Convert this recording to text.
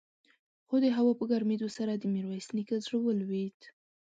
خو د هوا په ګرمېدو سره د ميرويس نيکه زړه ولوېد.